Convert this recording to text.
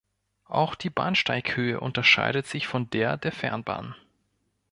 Auch die Bahnsteighöhe unterscheidet sich von der der Fernbahn.